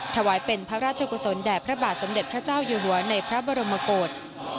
ถวายเป็นพระราชกุศลแด่พระบาทสมเด็จพระเจ้าอยู่หัวในพระบรมกฏ